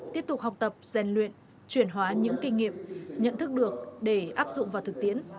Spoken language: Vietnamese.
tiếp tục học tập gian luyện chuyển hóa những kinh nghiệm nhận thức được để áp dụng vào thực tiễn